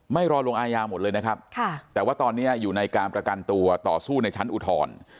รอลงอายาหมดเลยนะครับแต่ว่าตอนนี้อยู่ในการประกันตัวต่อสู้ในชั้นอุทธรณ์